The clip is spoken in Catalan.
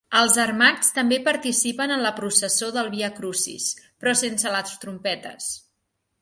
Els Armats també participen en la processó del Via Crucis, però sense les trompetes.